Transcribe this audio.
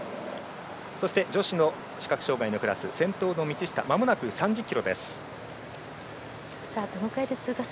女子の視覚障がいのクラス先頭の道下まもなく３０ｋｍです。